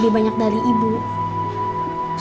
bapak bisa mencari keuntungan